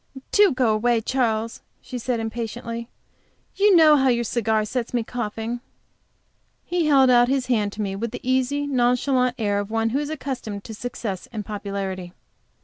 "Do go away, Charles," she said impatiently. "You know how your cigar sets me coughing." He held out his hand to me with the easy, nonchalant air of one who is accustomed to success and popularity.